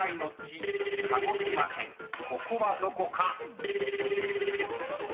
［ここはどこか？］